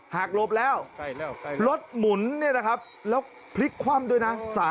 หลบแล้วรถหมุนเนี่ยนะครับแล้วพลิกคว่ำด้วยนะ